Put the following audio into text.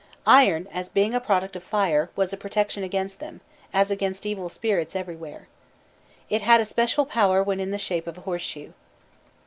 Iron, as being a product of fire, was a protection against them, as against evil spirits everywhere. It had especial power when in the shape of a horseshoe.